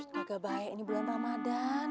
semoga baik ini bulan ramadan